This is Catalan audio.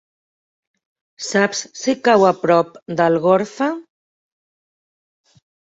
Saps si cau a prop d'Algorfa?